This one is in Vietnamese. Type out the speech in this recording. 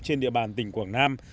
trên địa bàn tỉnh quảng nam